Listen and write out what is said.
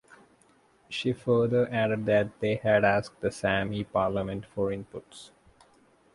She further added that they had asked the Sami Parliament for inputs.